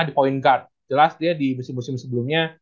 di point guard jelas dia di musim musim sebelumnya